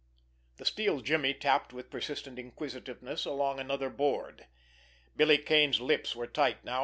The steel jimmy tapped with persistent inquisitiveness along another board. Billy Kane's lips were tight now.